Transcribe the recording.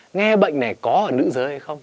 nghe bệnh này có ở nữ giới hay không